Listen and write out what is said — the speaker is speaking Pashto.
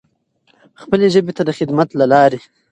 خپلې ژبې ته د خدمت له لارې.